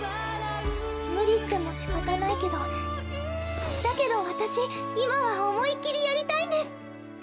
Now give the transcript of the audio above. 無理してもしかたないけどだけど私今は思いっ切りやりたいんです！